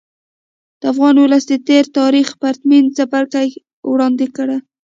د افغان ولس د تېر تاریخ پرتمین څپرکی وړاندې کړي.